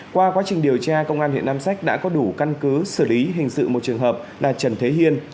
qua quá trình điều tra công an huyện nam sách đã có đủ căn cứ xử lý hình sự một trường hợp là trần thế hiên